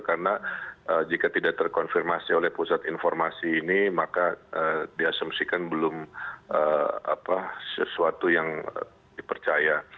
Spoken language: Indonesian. karena jika tidak terkonfirmasi oleh pusat informasi ini maka diasumsikan belum sesuatu yang dipercaya